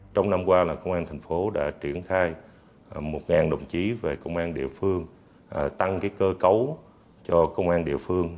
trong năm qua công an thành phố đã triển khai một đồng chí về công an địa phương tăng cơ cấu cho công an địa phương